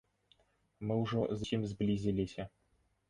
Мы ўжо зусім зблізіліся.